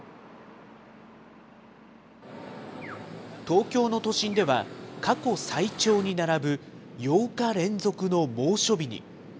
東京の都心では、過去最長に並ぶ８日連続の猛暑日に。